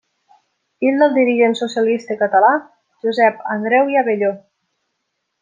Fill del dirigent socialista català Josep Andreu i Abelló.